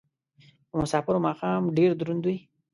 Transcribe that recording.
په مسافرو ماښام ډېر دروند وي